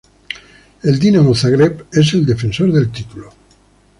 El Dinamo Zagreb es el defensor del título.